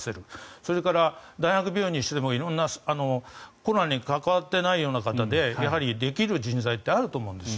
それから大学病院にしても色んな、コロナに関わっていないような方でできる人材ってあると思うんですよ。